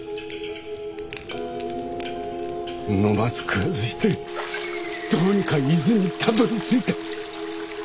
飲まず食わずしてどうにか伊豆にたどりついた。